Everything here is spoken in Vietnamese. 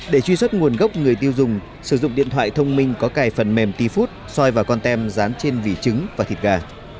để truy xuất nguồn gốc người tiêu dùng sử dụng điện thoại thông minh có cài phần mềm t food xoay vào con tem dán trên vị trứng và thịt gà